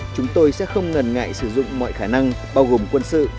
chúng tôi sẽ không ngần ngại sử dụng mọi khả năng bao gồm quân sự